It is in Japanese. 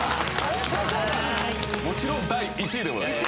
もちろん第１位でございます